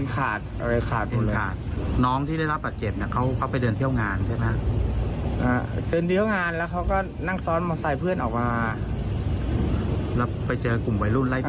ครับ